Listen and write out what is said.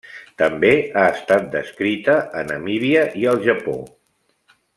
També ha estat descrita a Namíbia i al Japó.